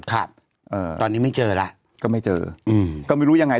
ครับเอ่อตอนนี้ไม่เจอแล้วก็ไม่เจออืมก็ไม่รู้ยังไง